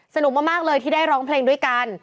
สนุกมากเลยที่ได้ร้องเพลงด้วยกัน